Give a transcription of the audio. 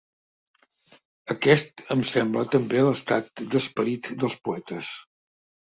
Aquest em sembla també l'estat d'esperit dels poetes.